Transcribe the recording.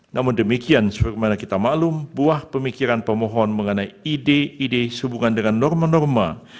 namun demikian sebagaimana kita maklum buah pemikiran pemohon mengenai ide ide sehubungan dengan norma norma